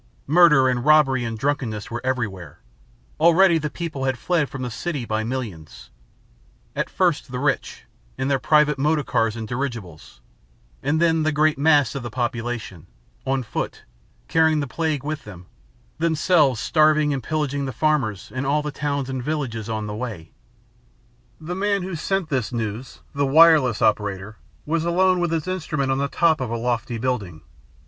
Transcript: Murder and robbery and drunkenness were everywhere. Already the people had fled from the city by millions at first the rich, in their private motor cars and dirigibles, and then the great mass of the population, on foot, carrying the plague with them, themselves starving and pillaging the farmers and all the towns and villages on the way. [Illustration: Fled from the city by millions 092] "The man who sent this news, the wireless operator, was alone with his instrument on the top of a lofty building.